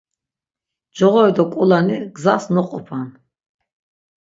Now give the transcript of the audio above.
Coğori do ǩulani gzas noqupan.